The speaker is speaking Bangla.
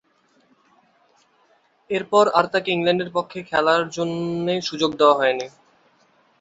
এরপর, আর তাকে ইংল্যান্ডের পক্ষে খেলার জন্যে সুযোগ দেয়া হয়নি।